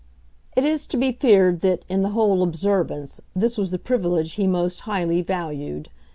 It is to be feared that, in the whole observance, this was the privilege he most highly valued.